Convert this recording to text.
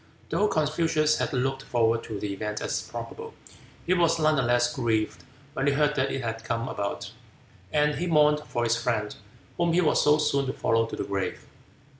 Though Confucius had looked forward to the event as probable, he was none the less grieved when he heard that it had come about, and he mourned for his friend, whom he was so soon to follow to the grave.